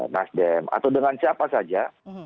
nasdem atau dengan siapa saja